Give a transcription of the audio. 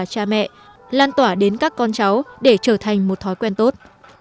cha mẹ lan tỏa đến các con cháu để trở thành một thói quen tốt